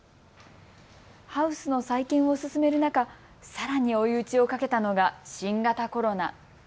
ハウスの再建を進める中、さらに追い打ちをかけたのが新型コロナ。